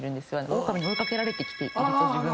オオカミに追い掛けられてきていると。